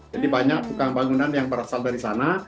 banyak tukang bangunan yang berasal dari sana